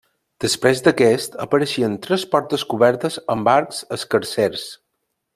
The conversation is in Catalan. Després d'aquest, apareixen tres portes cobertes amb arcs escarsers.